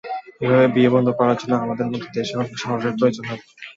এভাবে বিয়ে বন্ধ করার জন্য আমাদের মতো দেশে অনেক সাহসের প্রয়োজন হয়।